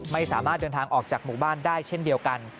ไม่สามารถเดินทางออกจากหมู่บ้านได้เช่นเดียวกัน